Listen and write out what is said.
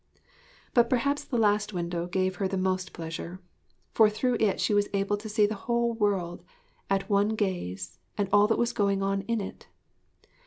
But perhaps the last window gave her the most pleasure. For through it she was able to see the whole world at one gaze and all that was going on in it.